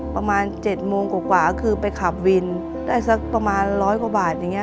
ประมาณ๗โมงกว่าคือไปขับวินได้สักประมาณร้อยกว่าบาทอย่างนี้